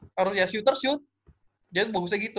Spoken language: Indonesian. sebagusnya shooter shoot dia tuh bagusnya gitu